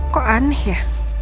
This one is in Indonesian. kok aneh ya